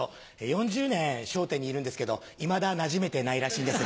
４０年『笑点』にいるんですけどいまだなじめてないらしいんです。